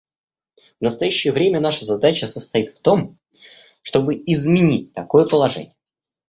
В настоящее время наша задача состоит в том, чтобы изменить такое положение.